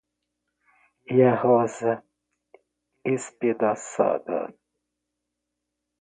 E a rosa espedaçada.